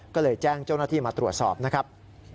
ก็เลยแจ้งเจ้าหน้าที่มาตรวจสอบนะครับ